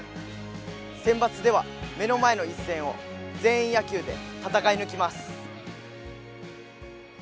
センバツでは目の前の一戦を全員野球で戦い抜きます。